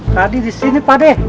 tadi disini pade